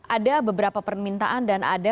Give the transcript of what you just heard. ada beberapa permintaan dan ada